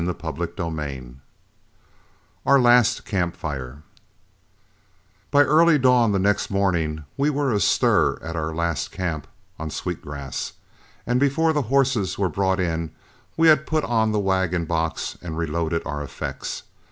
CHAPTER XXII OUR LAST CAMP FIRE By early dawn the next morning we were astir at our last camp on Sweet Grass, and before the horses were brought in, we had put on the wagon box and reloaded our effects.